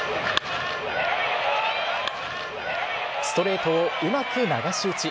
ストレートをうまく流し打ち。